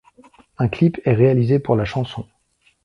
Un clip est réalisé pour la chanson '.